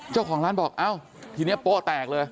เจ้าของร้านบอกเอ้าทีนี้โป๊ะแตกเลย